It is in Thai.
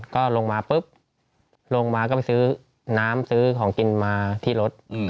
ก็ลงมาปุ๊บลงมาก็ไปซื้อน้ำซื้อของกินมาที่รถ